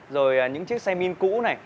rồi những chiếc xe min cũ này